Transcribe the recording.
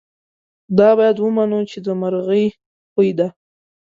دا باید ومنو چې د مرغۍ پۍ ده.